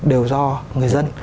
đều do người dân